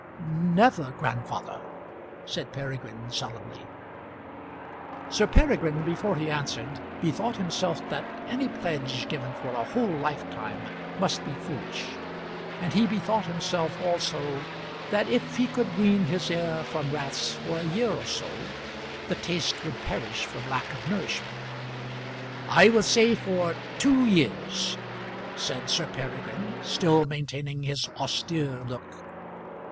"Never, grandfather!" said Peregrine, solemnly. Sir Peregrine before he answered bethought himself that any pledge given for a whole life time must be foolish; and he bethought himself also that if he could wean his heir from rats for a year or so, the taste would perish from lack of nourishment. "I will say for two years," said Sir Peregrine, still maintaining his austere look.